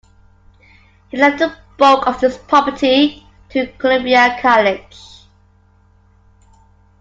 He left the bulk of his property to Columbia College.